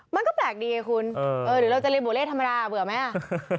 มันก็แปลกดีไงคุณหรือเราจะเรียนบูเล่ธรรมดาเบื่อไหมอ่ะ